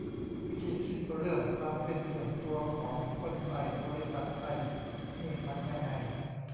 วิธีคิดเรื่องความเป็นส่วนตัวของคนไทยบริษัทไทยนี่มันยังไง